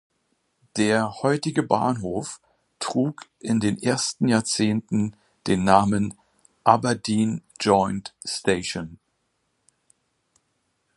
Der heutige Bahnhof trug in den ersten Jahrzehnten den Namen "Aberdeen Joint Station".